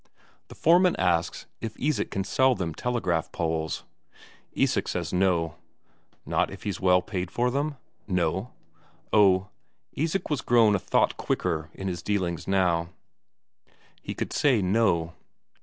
The foreman asks if Isak can sell them telegraph poles. Isak says no. Not if he's well paid for them? No. Oh, Isak was grown a thought quicker in his dealings now, he could say no.